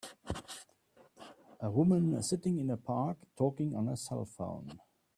A woman sitting in a park, talking on a cellphone.